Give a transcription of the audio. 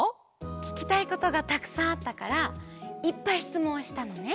ききたいことがたくさんあったからいっぱいしつもんをしたのね。